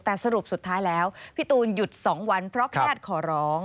แต่สรุปสุดท้ายแล้วพี่ตูนหยุด๒วันเพราะแพทย์ขอร้อง